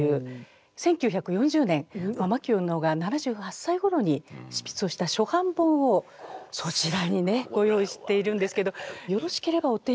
１９４０年牧野が７８歳ごろに執筆をした初版本をそちらにご用意しているんですけどよろしければお手に取って。